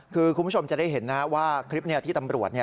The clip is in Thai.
คือคุณผู้ชมจะได้เห็นนะว่าคลิปที่ตำรวจ